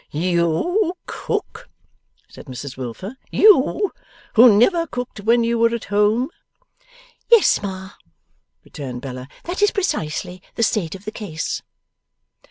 'YOU cook?' said Mrs Wilfer. 'YOU, who never cooked when you were at home?' 'Yes, Ma,' returned Bella; 'that is precisely the state of the case.